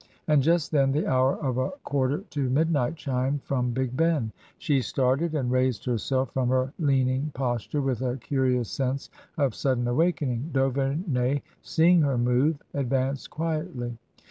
And just then the hour of a quarter to midnight chimed from Big Ben. She started and raised herself from her leaning posture with a curious sense of sudden awaken ing. D'Auvemey, seeing her move, advanced quietly.